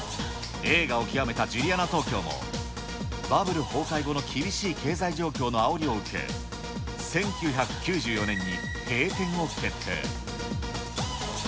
栄華を極めたジュリアナ東京も、バブル崩壊後の厳しい経済状況のあおりを受け、１９９４年に閉店を決定。